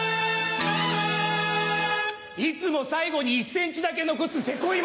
いつも最後に１ｃｍだけ残すせこい